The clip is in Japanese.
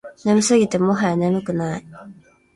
眠すぎてもはや眠くない